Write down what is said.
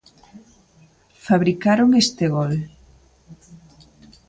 Fabricaron este gol.